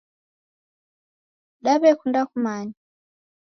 Dawekunda kumanya